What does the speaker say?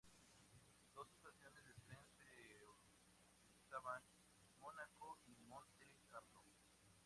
Dos estaciones de tren se utilizaban: Mónaco y Monte Carlo.